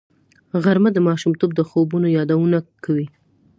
غرمه د ماشومتوب د خوبونو یادونه کوي